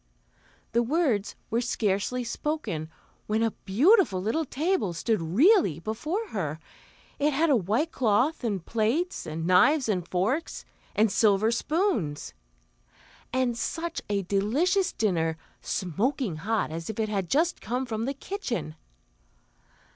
The words were scarcely spoken, when a beautiful little table stood really before her; it had a white cloth and plates, and knives and forks, and silver spoons, and such a delicious dinner, smoking hot as if it had just come from the kitchen.